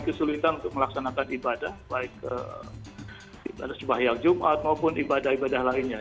kesulitan untuk melaksanakan ibadah baik ibadah sembahyang jumat maupun ibadah ibadah lainnya